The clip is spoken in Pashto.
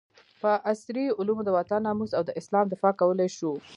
په عصري علومو د وطن ناموس او د اسلام دفاع کولي شو